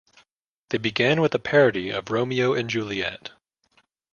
They begin with a parody of "Romeo and Juliet".